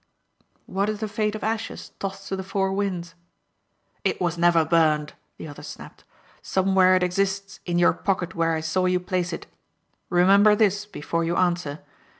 "What is the fate of ashes tossed to the four winds?" "It was never burned," the other snapped. "Somewhere it exists in your pocket where I saw you place it. Remember this before you answer.